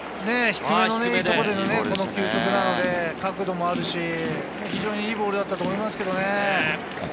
低めのいいところでこの球速なので、角度もあるし、非常にいいボールだと思いますけどね。